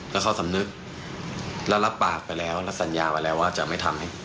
แล้วเขาสำนึกแล้วรับปากไปแล้วและสัญญาไปแล้วว่าจะไม่ทำให้